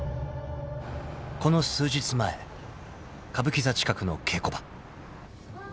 ［この数日前歌舞伎座近くの稽古場］